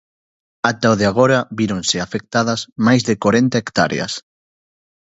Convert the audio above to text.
Ata o de agora víronse afectadas máis de corenta hectáreas.